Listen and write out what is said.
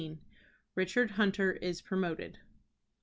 RICHARD HUNTER IS PROMOTED.